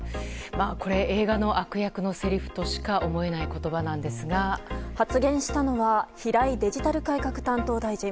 これ、映画の悪役のせりふとしか思えない発言したのは平井デジタル改革担当大臣。